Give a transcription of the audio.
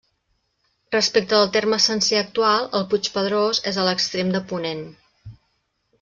Respecte del terme sencer actual, el Puig Pedrós és a l'extrem de ponent.